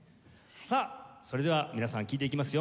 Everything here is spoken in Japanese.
さあそれでは皆さん聞いていきますよ。